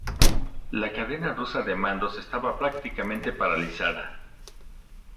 La cadena rusa de mandos estaba prácticamente paralizada.